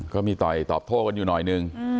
ก็มีต่อยตอบโต้กันอยู่หน่อยนึง